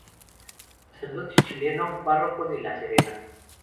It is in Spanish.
Sacerdote chileno, párroco de La Serena.